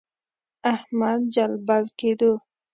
احمد جلبل کېدو.